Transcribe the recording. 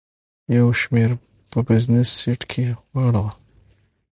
یو شمېر په بزنس سیټ کې واړول.